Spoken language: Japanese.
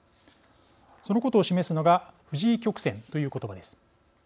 そのことを示すのが藤井曲線という言葉です。